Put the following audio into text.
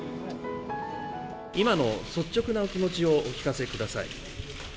今の率直なお気持ちをお聞かせください。